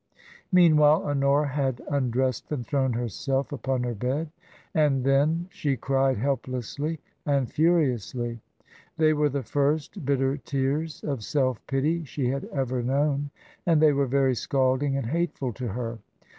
Meanwhile, Honora had undressed and thrown herself upon her bed, and then she cried helplessly and furiously. They were the first bitter tears of self pity she had ever known, and they were very scalding and hateful to her.